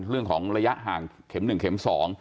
เรื่องของระยะห่างเข็ม๑เข็ม๒